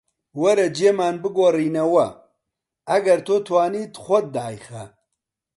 وەرە جێمان بگۆڕینەوە، ئەگەر تۆ توانیت خۆت دایخە